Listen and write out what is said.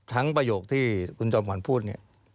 ทั้งประโยคที่คุณจอมหวานพูดนี่